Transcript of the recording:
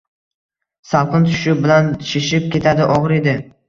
Salqin tushishi bilan shishib ketadi, og‘riydi.